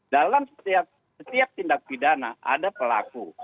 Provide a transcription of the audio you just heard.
dalam setiap tindak pidana ada pelaku